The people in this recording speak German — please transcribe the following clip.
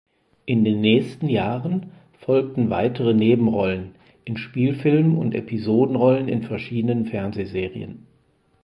In den nächsten Jahren folgten weitere Nebenrollen in Spielfilmen und Episodenrollen in verschiedenen Fernsehserien.